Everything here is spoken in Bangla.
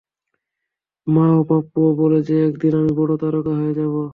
মা ও পাপ্পুও বলে যে একদিন আমি বড় তারকা হয়ে যাব।